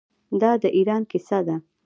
دا د ایران کیسه ده.